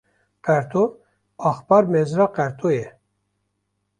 Qerto, Axpar Mezra Qerto ye